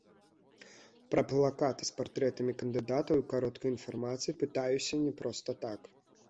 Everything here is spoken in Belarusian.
Пра плакаты з партрэтамі кандыдатаў і кароткай інфармацыяй пытаюся не проста так.